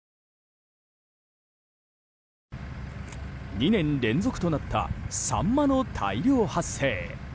２年連続となったサンマの大量発生。